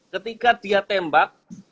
ketika dia tembak